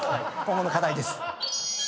今後の課題です。